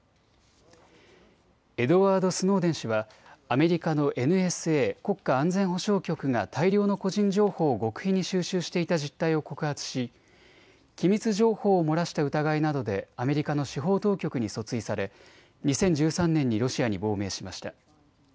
エドワード・スノーデン氏はアメリカのＮＳＡ・国家安全保障局が大量の個人情報を極秘に収集していた実態を告発し機密情報を漏らした疑いなどでアメリカの司法当局に訴追され２０１３年にロシアに亡命しました。